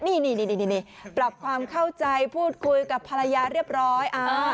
นี่ปรับความเข้าใจพูดคุยกับภรรยาเรียบร้อย